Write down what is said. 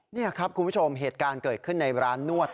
นี่ครับคุณผู้ชมเหตุการณ์เกิดขึ้นในร้านนวด